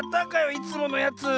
いつものやつ。